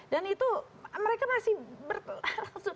dan itu mereka masih bertahan